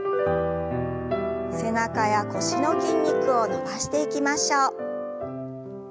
背中や腰の筋肉を伸ばしていきましょう。